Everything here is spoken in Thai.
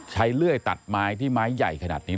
เลื่อยตัดไม้ที่ไม้ใหญ่ขนาดนี้